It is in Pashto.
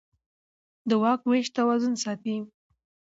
د واک وېش توازن ساتي